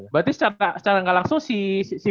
berarti secara gak langsung si